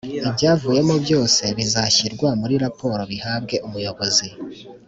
Ibyavuyemo byose bizashyirwa muri raporo bihabwe umuyobozi